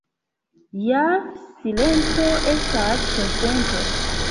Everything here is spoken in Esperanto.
Ja silento estas konsento.